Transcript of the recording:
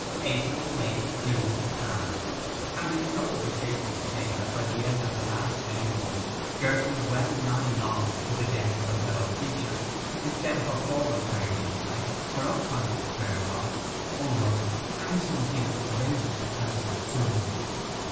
April, May, June, passed; and it is no overstatement to say that by the end of the last named month Gertrude well nigh longed for the death of a fellow creature. Instead of her formal prayers each night, her unconscious prayer was, 'O Lord, hang some guilty or innocent person soon!